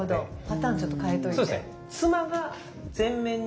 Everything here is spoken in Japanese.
パターンちょっと変えといて。